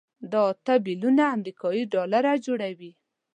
دا اته بيلیونه امریکایي ډالره جوړوي.